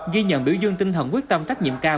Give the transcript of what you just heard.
ghi nhận biểu dương tinh thần quyết tâm trách nhiệm cao